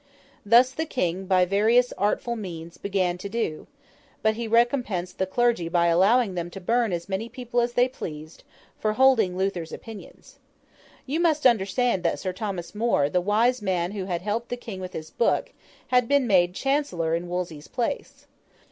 This, the King by various artful means, began to do; but he recompensed the clergy by allowing them to burn as many people as they pleased, for holding Luther's opinions. You must understand that Sir Thomas More, the wise man who had helped the King with his book, had been made Chancellor in Wolsey's place.